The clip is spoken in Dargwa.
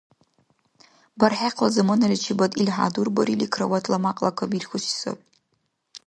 БархӀехъла заманаличибад ил хӀядурбарили кроватьла мякьла кабирхьуси саби.